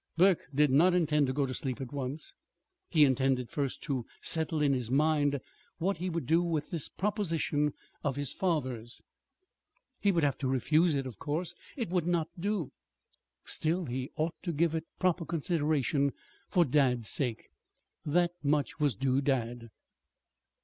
Burke did not intend to go to sleep at once. He intended first to settle in his mind what he would do with this proposition of his father's. He would have to refuse it, of course. It would not do. Still, he ought to give it proper consideration for dad's sake. That much was due dad.